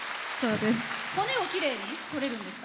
骨をきれいに取れるんですか。